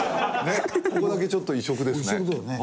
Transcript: ここだけちょっと異色ですね。